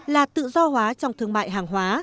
là tự do hóa trong thương mại hàng hóa